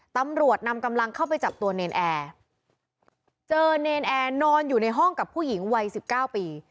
ตำรวจนำกำลังเข้าไปจับตัวเนรนแอร์เจอเนรนแอร์นอนอยู่ในห้องกับผู้หญิงวัยสิบเก้าปี